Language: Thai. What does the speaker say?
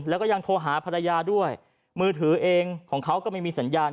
แล้วก็ยังโทรหาภรรยาด้วยมือถือเองของเขาก็ไม่มีสัญญาณ